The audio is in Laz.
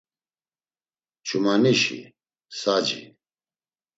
Ç̌umanişi… Saci…